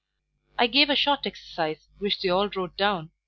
I gave a short exercise: which they all wrote down.